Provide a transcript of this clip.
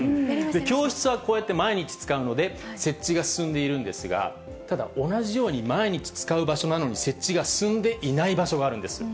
教室はこうやって毎日使うので、設置が進んでいるんですが、ただ、同じように毎日使う場所なのに、設置が進んでいない場所があるんです。